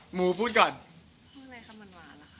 หมู่พูดก่อน